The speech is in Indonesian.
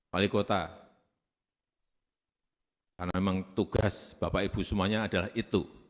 wali kota karena memang tugas bapak ibu semuanya adalah itu